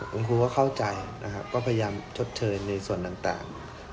คุณครูก็เข้าใจนะครับก็พยายามชดเชยในส่วนต่าง